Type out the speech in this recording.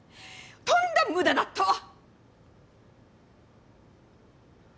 とんだ無駄だったわ！